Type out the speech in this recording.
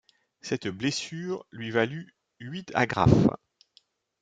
Cette blessure lui valut huit agrafes.